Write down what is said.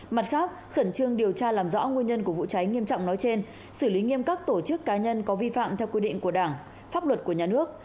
mặt khác khẩn trương điều tra làm rõ nguyên nhân của vụ cháy nghiêm trọng nói trên xử lý nghiêm các tổ chức cá nhân có vi phạm theo quy định của đảng pháp luật của nhà nước